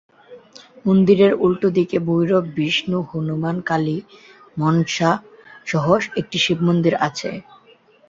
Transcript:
মন্দিরের উল্টোদিকে ভৈরব, বিষ্ণু, হনুমান, কালী, মনসা সহ একটি শিবমন্দির আছে।